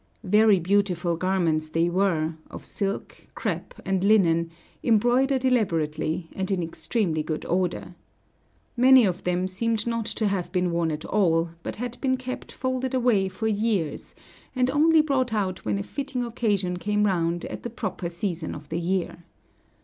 Very beautiful garments they were, of silk, crêpe, and linen, embroidered elaborately, and in extremely good order. Many of them seemed not to have been worn at all, but had been kept folded away for years, and only brought out when a fitting occasion came round at the proper season of the year.